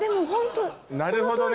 なるほどね。